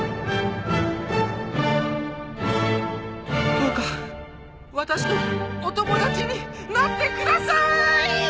どうかわたしとお友達になってくださーい！